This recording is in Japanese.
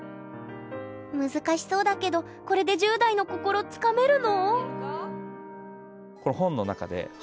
難しそうだけどこれで１０代の心つかめるの？